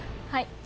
はい。